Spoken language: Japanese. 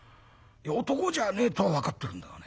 男じゃねえとは分かってるんだがね